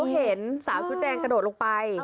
แต่เขาเห็นสาวชุดแดงกระโดดลงไป